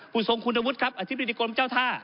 ทรงคุณวุฒิครับอธิบดีกรมเจ้าท่า